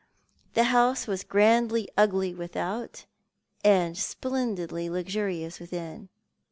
The house was grandly ugly without and splendidly luxurious within.